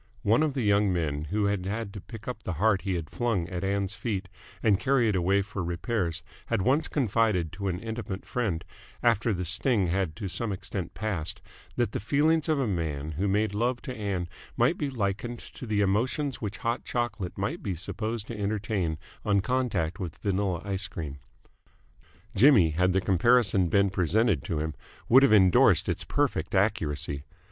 One of the young men who had had to pick up the heart he had flung at Ann's feet and carry it away for repairs had once confided to an intimate friend, after the sting had to some extent passed, that the feelings of a man who made love to Ann might be likened to the emotions which hot chocolate might be supposed to entertain on contact with vanilla ice cream. Jimmy, had the comparison been presented to him, would have endorsed its perfect accuracy.